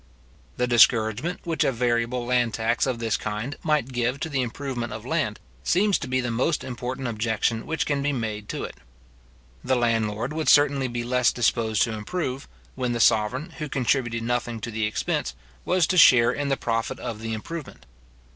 The discouragement which a variable land tax of this kind might give to the improvement of land, seems to be the most important objection which can be made to it. The landlord would certainly be less disposed to improve, when the sovereign, who contributed nothing to the expense, was to share in the profit of the improvement.